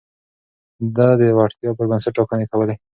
ده د وړتيا پر بنسټ ټاکنې کولې.